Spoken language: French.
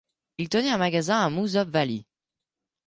Il tenait un magasin à Moosup Valley.